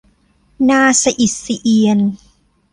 น่าสะอิดสะเอียน